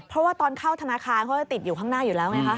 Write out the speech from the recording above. เพราะว่าตอนเข้าธนาคารเขาจะติดอยู่ข้างหน้าอยู่แล้วไงคะ